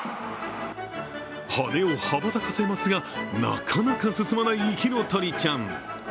羽を羽ばたかせますが、なかなか進まない火の鳥ちゃん。